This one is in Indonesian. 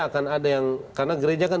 akan ada yang karena gereja kan